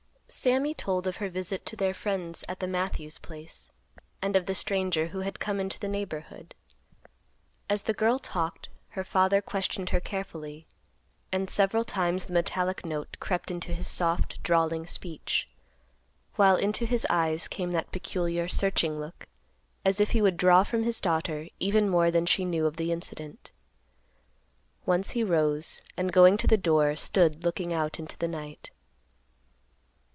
Sammy told of her visit to their friends at the Matthews place, and of the stranger who had come into the neighborhood. As the girl talked, her father questioned her carefully, and several times the metallic note crept into his soft, drawling speech, while into his eyes came that peculiar, searching look, as if he would draw from his daughter even more than she knew of the incident. Once he rose, and, going to the door, stood looking out into the night.